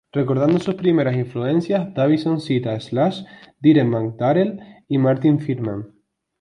Recordando sus primeras influencias, Davidson cita a Slash, Dimebag Darrell, y Marty Friedman.